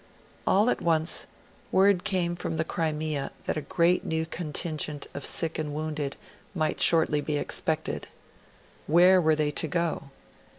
All at once, word came from the Crimea that a great new contingent of sick and wounded might shortly be expected. Where were they to go?